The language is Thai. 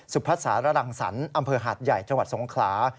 พัฒสารรังสรรค์อำเภอหาดใหญ่จังหวัดสงขลา